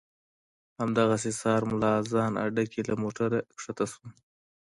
همدغسې سهار ملا اذان اډه کې له موټره ښکته شوم.